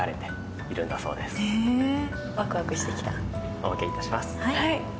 お開けいたします。